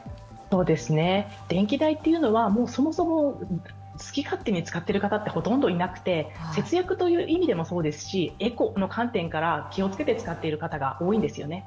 電気代というのはそもそも好き勝手に使っている方ってほとんどいなくて、節約という意味でもそうですし、エコの観点から気をつけて使っている方が多いんですよね。